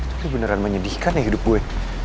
tapi beneran menyedihkan ya hidup gue